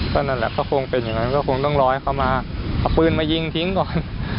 ก็นั่นแหละก็คงเป็นอย่างนั้นก็คงต้องรอให้เขามาเอาปืนมายิงทิ้งก่อน